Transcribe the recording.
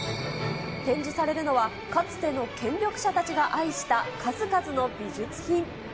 展示されるのは、かつての権力者たちが愛した数々の美術品。